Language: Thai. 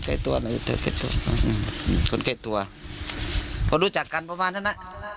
กฎเกดตัวพอรู้จักกันประมาณนั้นนะ